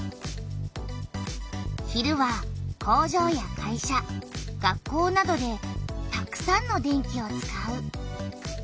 昼は工場や会社学校などでたくさんの電気を使う。